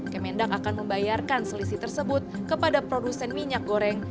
kemendak akan membayarkan selisih tersebut kepada produsen minyak goreng